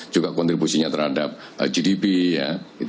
juga kontribusinya terhadap gdp ya